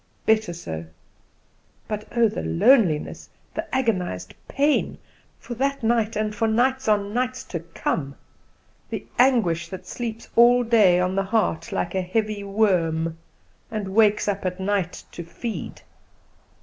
Better so! But oh, the loneliness, the agonized pain! for that night, and for nights on nights to come! The anguish that sleeps all day on the heart like a heavy worm, and wakes up at night to feed!